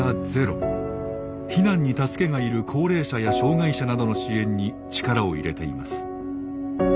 避難に助けがいる高齢者や障害者などの支援に力を入れています。